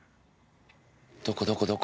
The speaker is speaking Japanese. どこどこどこ？